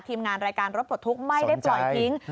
ทีมงานรายการรถปลดทุกข์ไม่ได้ปล่อยทิ้ง